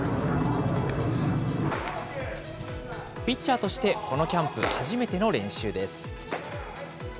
ピッチャーとしてこのキャンプ初めての練習です。